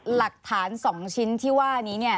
หลักฐาน๒ชิ้นที่ว่านี้เนี่ย